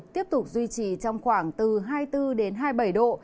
tiếp tục duy trì trong khoảng từ hai mươi bốn hai mươi bảy độ